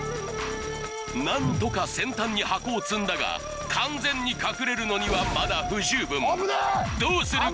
何とか先端に箱を積んだが完全に隠れるのにはまだ不十分どうする？